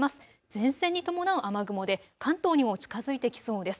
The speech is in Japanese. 前線に伴う雨雲で関東にも近づいてきそうです。